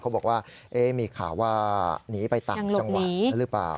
เขาบอกว่ามีข่าวว่าหนีไปต่างจังหวัดหรือเปล่า